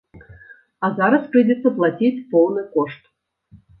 А зараз прыйдзецца плаціць поўны кошт.